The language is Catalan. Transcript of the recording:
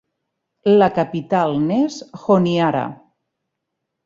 La capital n'és Honiara.